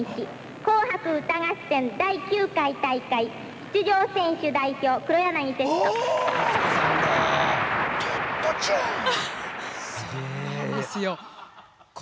「紅白歌合戦」第９回大会出場選手代表、黒柳徹子。